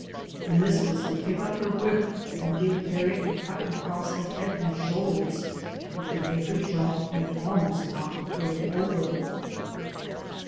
The mistress would pick up her whip and give Harriet a cut across the head and shoulders which would make her jump and almost knock the cradle over.